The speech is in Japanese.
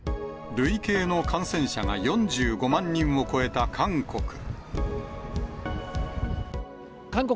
累計の感染者が４５万人を超えた韓国。